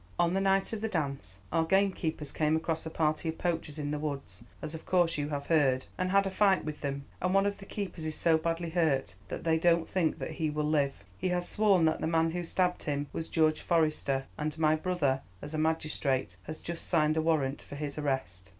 On the night of the dance our gamekeepers came across a party of poachers in the woods, as of course you have heard, and had a fight with them, and one of the keepers is so badly hurt that they don't think he will live. He has sworn that the man who stabbed him was George Forester, and my brother, as a magistrate, has just signed a warrant for his arrest.